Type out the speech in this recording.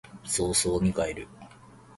早々に帰る